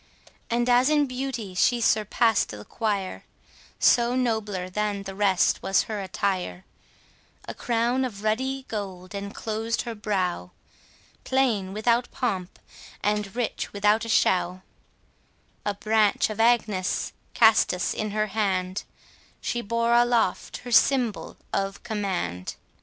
And as in beauty she surpass'd the choir, So nobler than the rest was her attire; A crown of ruddy gold enclosed her brow, Plain without pomp, and rich without a show; A branch of Agnus Castus in her hand, She bore aloft her symbol of command.